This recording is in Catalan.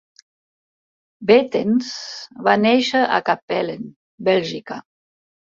Bettens va néixer a Kapellen, Bèlgica.